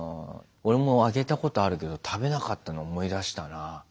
俺もあげたことあるけど食べなかったの思い出したな。